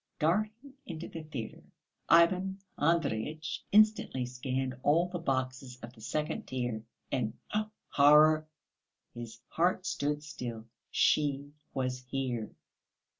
Darting into the theatre, Ivan Andreyitch instantly scanned all the boxes of the second tier, and, oh horror! His heart stood still, she was here!